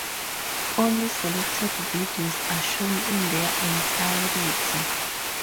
Only selected videos are shown in their entirety.